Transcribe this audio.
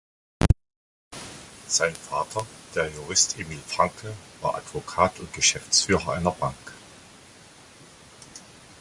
Sein Vater, der Jurist Emil Frankl, war Advokat und Geschäftsführer einer Bank.